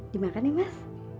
dimakan nih mas